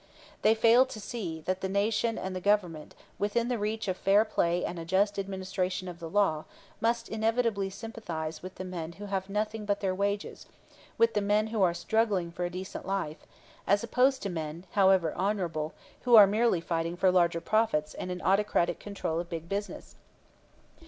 They fail to see that the Nation and the Government, within the range of fair play and a just administration of the law, must inevitably sympathize with the men who have nothing but their wages, with the men who are struggling for a decent life, as opposed to men, however honorable, who are merely fighting for larger profits and an autocratic control of big business.